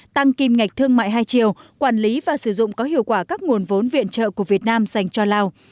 tăng kim ngạch thương mại hai triệu quản lý và sử dụng có hiệu quả các nguồn vốn viện trợ của việt nam dành cho lào